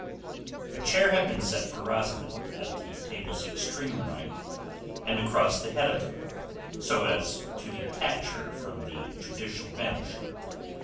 A chair had been set for Rosamund at the table's extreme right and across the head of it, so as to detach her from the judicial bench.